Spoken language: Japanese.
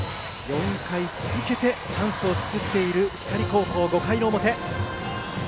４回続けてチャンスを作っている光高校、５回の表。